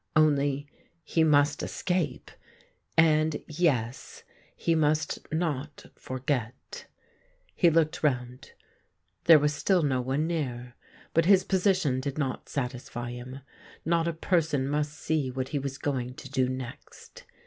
Only, he must escape. And — yes — he must not forget. He looked round. There was still 64 THE GREEN LIGHT no one near; but his position did not satisfy him. Not a person must see what he was going to do next.